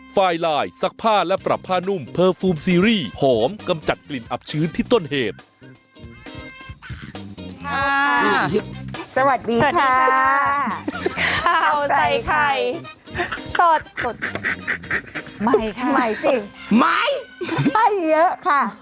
สวัสดีค่ะข้าวใส่ไข่สดสดใหม่ค่ะใหม่สิไหมไม่เยอะค่ะ